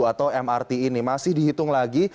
atau mrt ini masih dihitung lagi